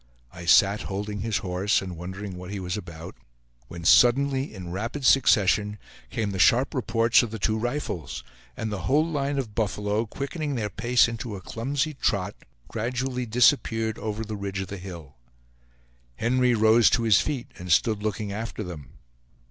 I sat holding his horse, and wondering what he was about, when suddenly, in rapid succession, came the sharp reports of the two rifles, and the whole line of buffalo, quickening their pace into a clumsy trot, gradually disappeared over the ridge of the hill. Henry rose to his feet, and stood looking after them.